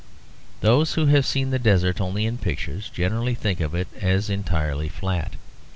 Those who have seen the desert only in pictures generally think of it as entirely flat.